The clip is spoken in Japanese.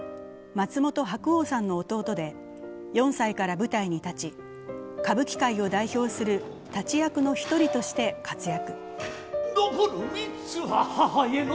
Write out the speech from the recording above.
松本白鸚さんの弟で、４歳から舞台に立ち歌舞伎界を代表する立役の一人として活躍。